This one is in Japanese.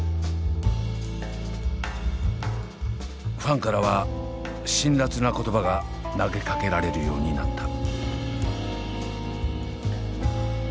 ファンからは辛辣な言葉が投げかけられるようになった。